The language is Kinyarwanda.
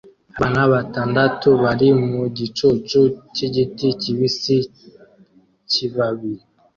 Abana batandatu bari mu gicucu cyigiti kibisi kibabi